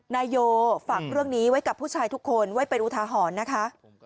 นายโยฝากเรื่องนี้ไว้กับผู้ชายทุกคนไว้เป็นอุทาหรณ์นะคะ